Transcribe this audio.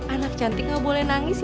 anak cantik gak boleh nangis